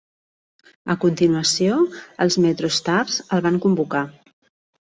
A continuació, els MetroStars el van convocar.